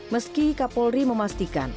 meski kapolri memastikan